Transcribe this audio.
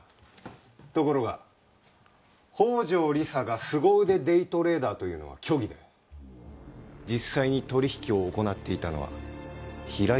ところが宝城理沙が凄腕デイトレーダーというのは虚偽で実際に取引を行っていたのは平井かすみでした。